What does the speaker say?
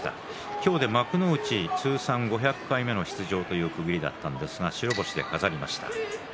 今日で幕内通算５００回目の出場という区切りだったんですが白星で飾りました。